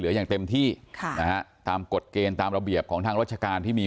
ก็เลยยิงสวนไปแล้วถูกเจ้าหน้าที่เสียชีวิต